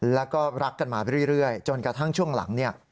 แล้วก็รักกันมาเรื่อยจนกระทั่งช่วงหลังเนี่ย